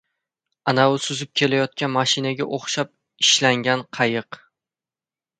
Anavi suzib kelayotgan mashinaga oʻxshab ishlangan qayiq.